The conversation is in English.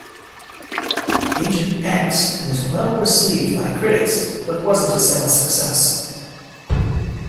"Agent X" was well received by critics but wasn't a sales success.